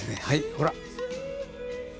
はいほら。